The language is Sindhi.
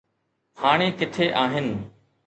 هاڻي ڪٿي آهن